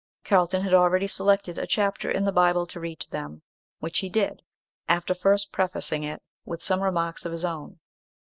Carlton had already selected a chapter in the Bible to read to them, which he did, after first prefacing it with some remarks of his own.